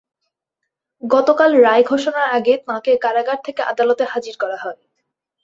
গতকাল রায় ঘোষণার আগে তাঁকে কারাগার থেকে আদালতে হাজির করা হয়।